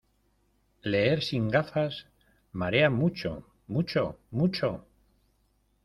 ¡ leer sin gafas! ¡ marea mucho mucho mucho !